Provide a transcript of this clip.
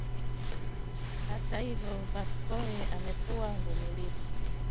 Hata hivyo Pascoe amekuwa mvumilivu